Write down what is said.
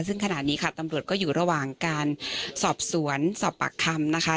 ซึ่งขณะนี้ค่ะตำรวจก็อยู่ระหว่างการสอบสวนสอบปากคำนะคะ